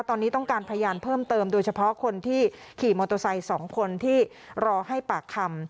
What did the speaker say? ตอนนี้ต้องการพยานเพิ่มเติมโดยเฉพาะคนที่ขี่มอเตอร์ไซค์๒คนที่รอให้ปากคำ